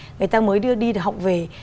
người ta mới đưa đi học về